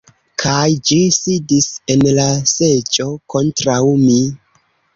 Kaj, ĝi sidis en la seĝo kontraŭ mi.